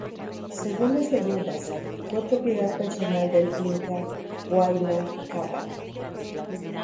Según las leyendas, fue propiedad personal del Inca Huayna Cápac.